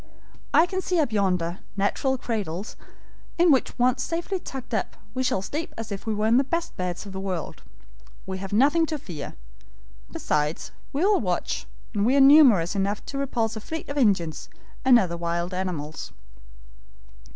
I can see up yonder natural cradles, in which once safely tucked up we shall sleep as if we were in the best beds in the world. We have nothing to fear. Besides, we will watch, and we are numerous enough to repulse a fleet of Indians and other wild animals."